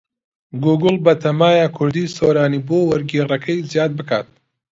گووگڵ بەتەمایە کوردیی سۆرانی بۆ وەرگێڕەکەی زیاد بکات.